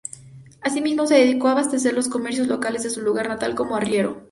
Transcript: Asimismo, se dedicó a abastecer los comercios locales de su lugar natal como arriero.